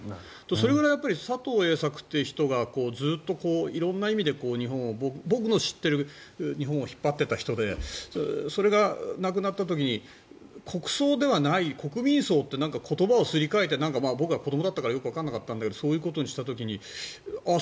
それぐらい佐藤栄作って人がずっと色んな意味で日本を僕が知っている日本を引っ張っていた人でそれが亡くなった時に国葬ではない国民葬に言葉をすり替えて僕は子どもだったからよくわからなかったんだけどそういうことにした時にああ、